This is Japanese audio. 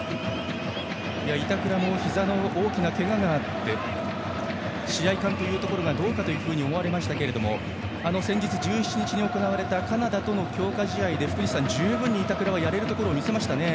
板倉もひざの大きなけががあって試合勘というところがどうかと思われましたけど先日、１７日に行われたカナダとの強化試合で十分、板倉はやれるところ見せましたね。